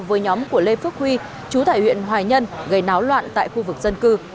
với nhóm của lê phước huy chú thải huyện hòa nhân gây náo loạn tại khu vực dân cư